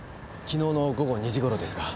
昨日の午後２時頃ですが。